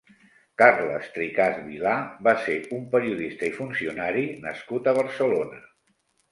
Carles Tricaz Vilá va ser un periodista i funcionari nascut a Barcelona.